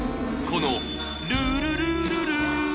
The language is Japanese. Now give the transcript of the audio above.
この「ルルルルル」